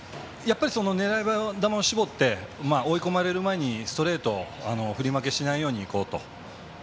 狙い球を絞って追い込まれる前にストレートに振り負けしないようにしようと。